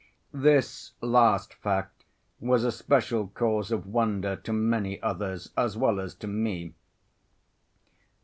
This last fact was a special cause of wonder to many others as well as to me.